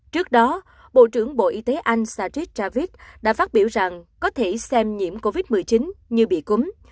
trước đó bộ trưởng bộ y tế anh sajid javid đã phát biểu rằng có thể xem nhiễm covid một mươi chín như bị cúng